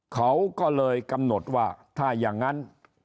เขาก็เลยกำหนดว่าถ้าอย่างนั้น